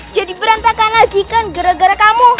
jadi perantakan lagi kan gara gara kamu